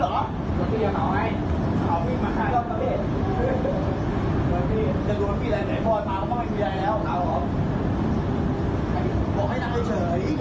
อารวาสตรงมา